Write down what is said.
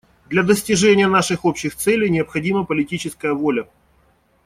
Для достижения наших общих целей необходима политическая воля.